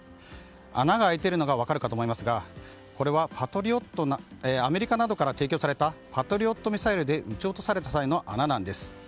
穴が開いているのが分かるかと思いますがアメリカなどから提供されたパトリオットミサイルで撃ち落とされた際の穴なんです。